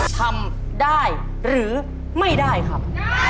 ทำได้หรือไม่ได้ครับ